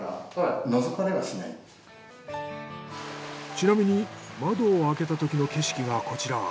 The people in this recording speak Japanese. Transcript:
ちなみに窓を開けたときの景色がこちら。